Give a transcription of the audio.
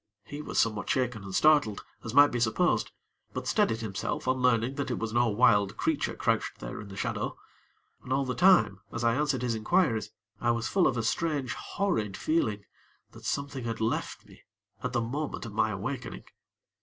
He was somewhat shaken and startled, as might be supposed; but steadied himself on learning that it was no wild creature crouched there in the shadow; and all the time, as I answered his inquiries, I was full of a strange, horrid feeling that something had left me at the moment of my awakening.